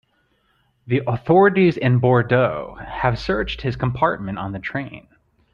The authorities in Bordeaux have searched his compartment on the train.